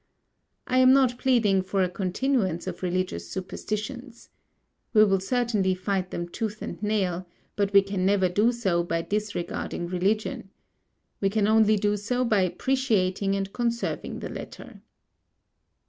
I am not pleading for a continuance of religious superstitions. We will certainly fight them tooth and nail, but we can never do so by disregarding religion. We can only do so by appreciating and conserving the latter.